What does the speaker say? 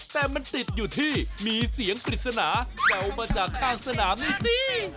แต่มันติดอยู่ที่มีเสียงปริศนาแววมาจากข้างสนามนี่สิ